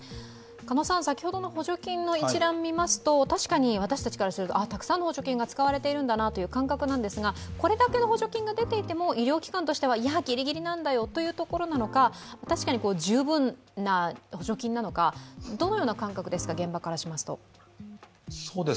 先ほどの補助金の一覧を見ますと確かに私たちからするとたくさんの補助金が使われているんだなという印象なんですがこれだけの補助金が出ていても、医療機関としては、ぎりぎりなんだよというところなのか確かに十分な補助金なのかどのような感覚ですか、現場からしますと。